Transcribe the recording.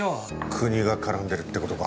国が絡んでるってことか。